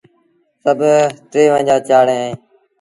سڀ ٽيونجھآ چآڙيٚن اهيݩ۔